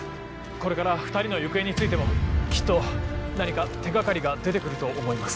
これから２人の行方についてもきっと何か手掛かりが出て来ると思います。